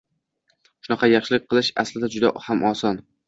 Shunaqa, yaxshilik qilish aslida juda ham oson.